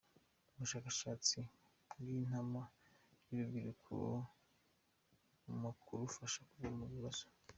Ubushakashatsi bwintama yurubyiruko mukurufasha kuva mu bibazo